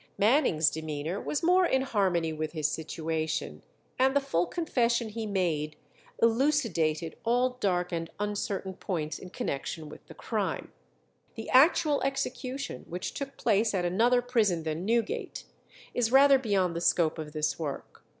Manning's demeanour was more in harmony with his situation, and the full confession he made elucidated all dark and uncertain points in connection with the crime. The actual execution, which took place at another prison than Newgate, is rather beyond the scope of this work.